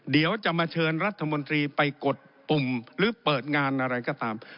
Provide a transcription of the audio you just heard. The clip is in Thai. เดี๋ยวจะมาเชิญรัฐมนตรีไปกดปุ่มหรือเปิดงานอะไรก็ตาม